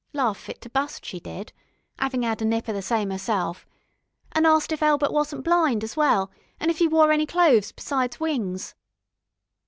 Laugh fit to bust, she did 'avin' 'ad a nip of the same 'erself an' as't if Elbert wasn't blind as well, an' if 'e wore any clothes besides wings....